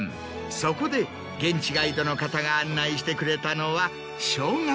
そこで現地ガイドの方が案内してくれたのは。